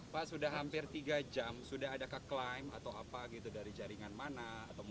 pak sudah hampir tiga jam sudah ada keklaim atau apa gitu dari jaringan mana